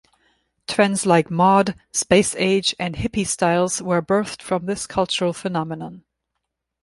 Trends like mod, Space Age, and hippie styles were birthed from this cultural phenomenon.